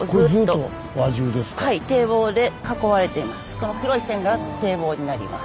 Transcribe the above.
この黒い線が堤防になります。